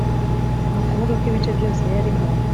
ni ukuvuga ko ibice byose yarimo